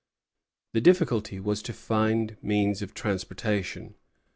The difficulty was to find means of transportation.